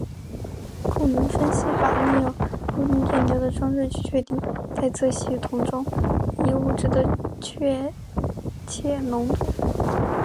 库伦分析法利用固定电流的装置去确定待测系统中一物质的确切浓度。